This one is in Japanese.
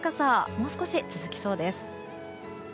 もう少し続きそうです。